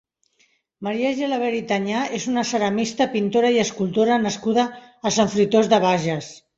Maria Gelabert i Tañà és una ceramista, pintora i escultora nascuda a Sant Fruitós de Bages.